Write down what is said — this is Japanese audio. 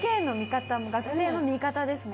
学生の味方ですね